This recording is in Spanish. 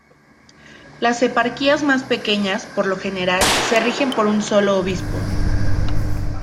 Las eparquías más pequeñas, por lo general, se rigen por un solo obispo.